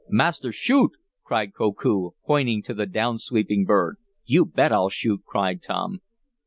"Master shoot!" cried Koku, pointing to the down sweeping bird. "You bet I'll shoot!" cried Tom.